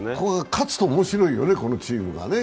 勝つと面白いよね、このチームがね。